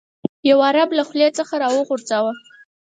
یو عرب له خولې څخه راوغورځاوه.